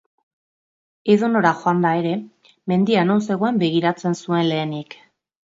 Edonora joanda ere, mendia non zegoen begiratzen zuen lehenik.